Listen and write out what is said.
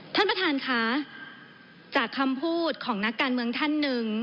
ท่านประธานค่ะจากคำพูดของนักการเมืองท่านหนึ่ง